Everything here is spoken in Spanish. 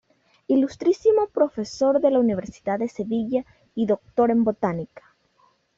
Ilustrísimo Profesor de la Universidad de Sevilla y Doctor en Botánica.